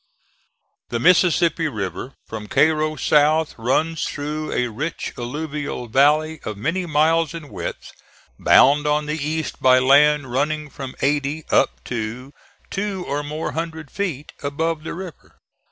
The Mississippi River, from Cairo south, runs through a rich alluvial valley of many miles in width, bound on the east by land running from eighty up to two or more hundred feet above the river.